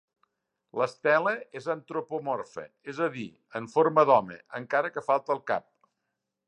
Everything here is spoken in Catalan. L'estela és antropomorfa, és a dir, en forma d'home, encara que falta el cap.